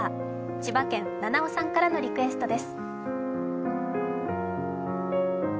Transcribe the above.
千葉県・ｎａｎａｏさんからのリクエストです。